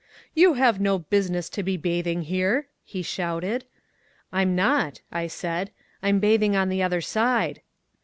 "You have no business to be bathing here," he shouted. "I'm not," I said; "I'm bathing on the other side."